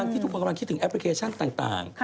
ที่ทุกคนกำลังคิดถึงแอปพลิเคชันต่าง